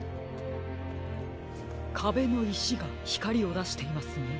かべのいしがひかりをだしていますね。